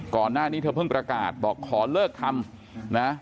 ก่อนหน้านี้เธอเพิ่งประกาศบอกขอเลิกทำนะ